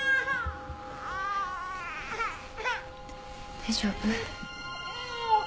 大丈夫？